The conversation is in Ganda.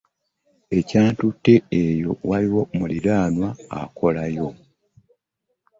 Ekyantutte eyo waliyo muliraanwa akolayo.